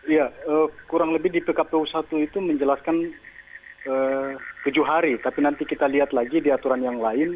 ya kurang lebih di pkpu satu itu menjelaskan tujuh hari tapi nanti kita lihat lagi di aturan yang lain